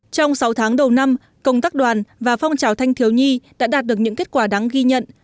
trong sáu tháng đầu năm công tác đoàn và phong trào thanh thiếu nhi đã đạt được những kết quả đáng ghi nhận